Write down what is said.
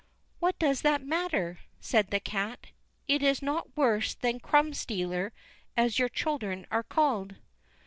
"What does that matter?" said the cat; "it is not worse than Crumb stealer, as your children are called."